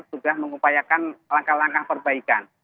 sudah mengupayakan langkah langkah perbaikan